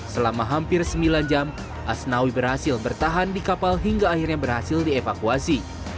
selama hampir sembilan jam asnawi berhasil bertahan di kapal hingga akhirnya berhasil dievakuasi